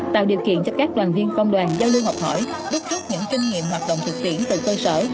tạo điều kiện cho các đoàn viên công đoàn giao lưu học hỏi đúc rút những kinh nghiệm hoạt động thực tiễn từ cơ sở